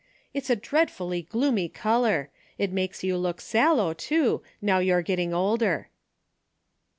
It's a dreadfully gloomy color. It makes you look sallow, too, now you're getting older."